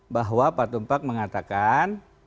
bahwa pak tumpak mengatakan